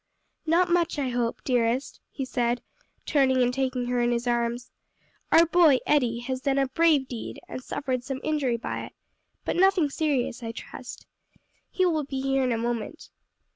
"Not much, I hope, dearest," he said, turning and taking her in his arms. "Our boy, Eddie, has done a brave deed and suffered some injury by it, but nothing serious, I trust. He will be here in a moment."